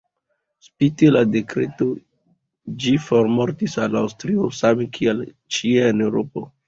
Spite la dekreto, ĝi formortis el Aŭstrio same kiel ĉie en Eŭropo.